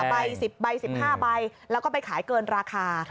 ใบ๑๐ใบ๑๕ใบแล้วก็ไปขายเกินราคา